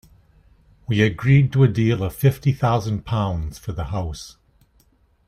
We agreed to a deal of fifty thousand pounds for the house.